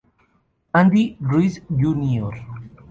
Andy Ruiz Jr.